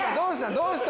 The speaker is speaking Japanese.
どうした？